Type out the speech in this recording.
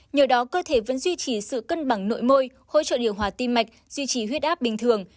nhờ đó cơ thể vẫn duy trì sự cân bằng nội môi hỗ trợ điều hòa tim mạch duy trì huyết áp bình thường